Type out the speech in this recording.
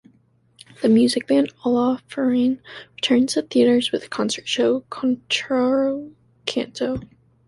The music band Oloferne returns to theaters with the concert show “Controcanto”.